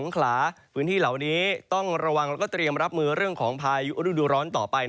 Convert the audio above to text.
ขลาพื้นที่เหล่านี้ต้องระวังแล้วก็เตรียมรับมือเรื่องของพายุฤดูร้อนต่อไป